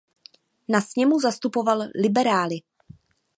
Na sněmu zastupoval liberály.